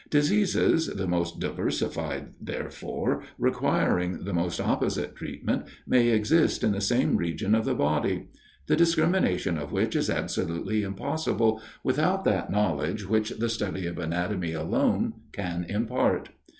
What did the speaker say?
Diseases the most diversified, therefore, requiring the most opposite treatment, may exist in the same region of the body; the discrimination of which is absolutely impossible, without that knowledge which the study of anatomy alone can impart.